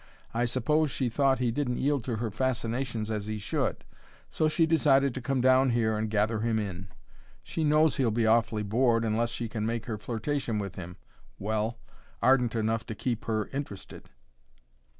I suppose she thought he didn't yield to her fascinations as he should, so she decided to come down here and gather him in. She knows she'll be awfully bored unless she can make her flirtation with him well ardent enough to keep her interested.